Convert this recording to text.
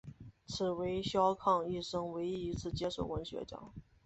此为萧沆一生唯一一次接受文学奖。